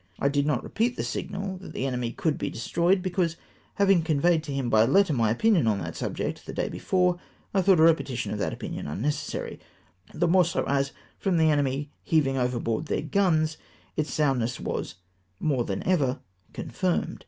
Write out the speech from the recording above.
I did not repeat the signal that the enemy could be destroyed, because, having conveyed to him by letter my opuiion on that subject the day before, I thought a repetition of that opinion unnecessary, — the more so, as, from the enemy heaving overboard their guns, its soundness was more than ever confirmed.